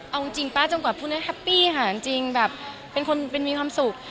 เอาจริงป้าจำกัดพวกนี้แฮปปี้ค่ะจริงแบบเป็นคนมีความสุข